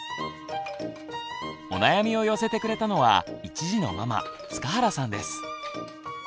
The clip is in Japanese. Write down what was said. お悩みを寄せてくれたのは１児のママ塚原さんです。